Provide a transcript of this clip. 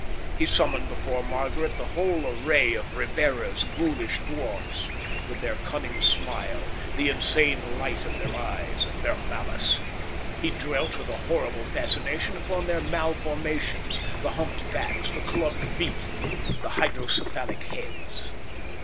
He summoned before Margaret the whole array of Ribera's ghoulish dwarfs, with their cunning smile, the insane light of their eyes, and their malice: he dwelt with a horrible fascination upon their malformations, the humped backs, the club feet, the hydrocephalic heads.